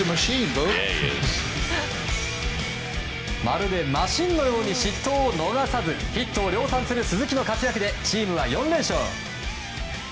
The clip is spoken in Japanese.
まるでマシンのように失投を逃さずヒットを量産する鈴木の活躍でチームは４連勝。